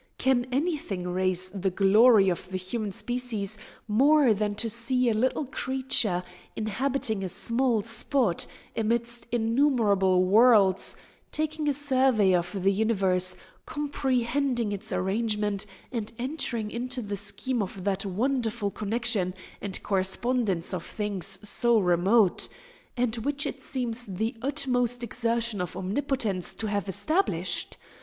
Can anything raise the glory of the human species more than to see a little creature, inhabiting a small spot, amidst innumerable worlds, taking a survey of the universe, comprehending its arrangement, and entering into the scheme of that wonderful connection and correspondence of things so remote, and which it seems the utmost exertion of Omnipotence to have established?